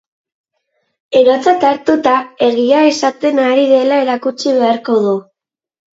Erotzat hartuta, egia esaten ari dela erakutsi beharko du.